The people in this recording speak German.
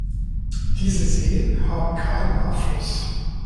Diese Seen haben keinen Abfluss.